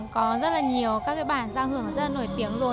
có rất là nhiều các cái bản giao hưởng rất là nổi tiếng rồi